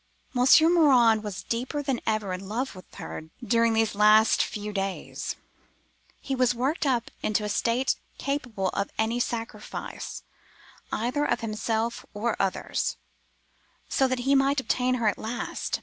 Monsieur Morin was deeper than ever in love with her during these last few days: he was worked up into a state capable of any sacrifice, either of himself or others, so that he might obtain her at last.